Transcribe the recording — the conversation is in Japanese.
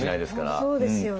本当そうですよね。